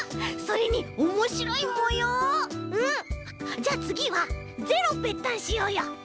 じゃあつぎは「０」をペッタンしようよ！